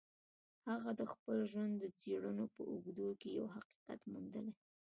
هغه د خپل ژوند د څېړنو په اوږدو کې يو حقيقت موندلی.